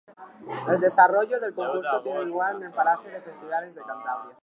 El desarrollo del concurso tiene lugar en el Palacio de Festivales de Cantabria.